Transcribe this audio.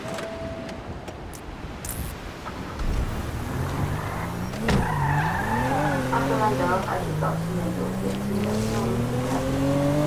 阿格兰德还是早期研究变星的天文学家之一。